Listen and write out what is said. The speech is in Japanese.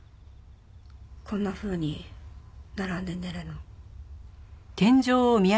こんなふうに並んで寝るの。